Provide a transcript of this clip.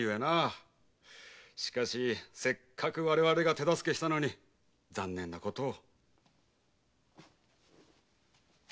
しかしせっかく我々が手助けしたのに残念なことを。